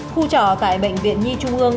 khu trò tại bệnh viện nhi trung ương